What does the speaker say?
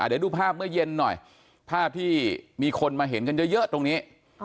เดี๋ยวดูภาพเมื่อเย็นหน่อยภาพที่มีคนมาเห็นกันเยอะตรงนี้